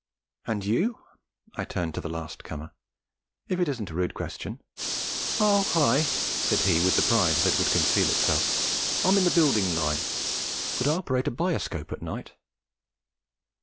'And you?' I turned to the last comer 'if it isn't a rude question?' 'Oh, I,' said he, with the pride that would conceal itself, 'I'm in the building line. But I operate a bioscope at night!'